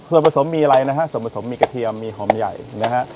ส่วนผสมมีอะไรนะฮะส่วนผสมมีกระเทียมมีหอมใหญ่นะฮะ